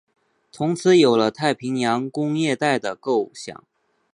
从此有了太平洋工业带的构想。